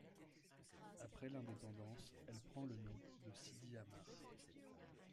Après l'indépendance, elle prend le nom de Sidi Amar.